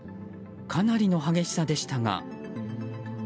かなりの激しさでしたが。